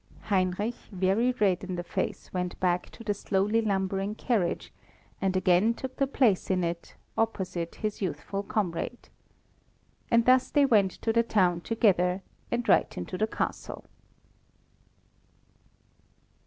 Heinrich, very red in the face, went back to the slowly lumbering carriage, and again took his place in it opposite his youthful comrade. And thus they went to the town together, and right into the castle.